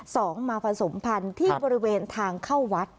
สองมาผสมพันธุ์ที่บริเวณทางเข้าวัด